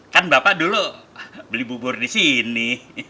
kan bapak dulu beli bubur disini